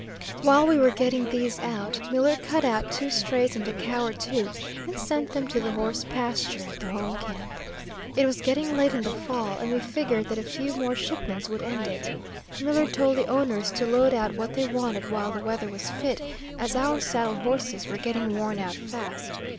While we were getting these out, Miller cut out two strays and a cow or two, and sent them to the horse pasture at the home camp. It was getting late in the fall, and we figured that a few more shipments would end it. Miller told the owners to load out what they wanted while the weather was fit, as our saddle horses were getting worn out fast.